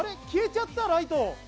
消えちゃった、ライト。